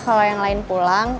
kalau yang lain pulang